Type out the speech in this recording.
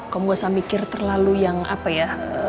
kamu gak usah mikir terlalu yang apa ya